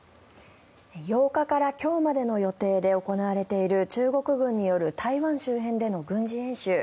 ８日から今日までの予定で行われている中国軍による台湾周辺での軍事演習。